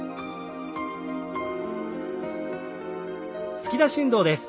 突き出し運動です。